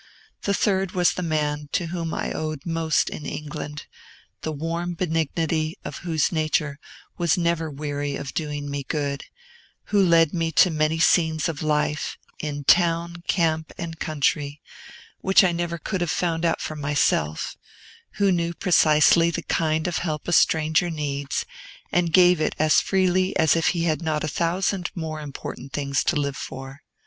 The third was the man to whom I owed most in England, the warm benignity of whose nature was never weary of doing me good, who led me to many scenes of life, in town, camp, and country, which I never could have found out for myself, who knew precisely the kind of help a stranger needs, and gave it as freely as if he had not had a thousand more important things to live for.